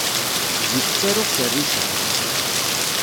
Zik ttaruɣ s rrica.